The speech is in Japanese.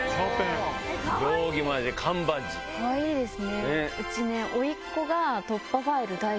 かわいいですね。